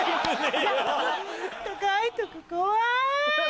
高いとこ怖い！